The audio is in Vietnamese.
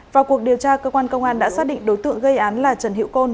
vào cuộc điều tra cơ quan công an đã xác định đối tượng gây án là trần hữu côn